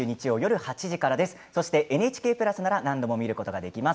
ＮＨＫプラスなら何度も見ることができます。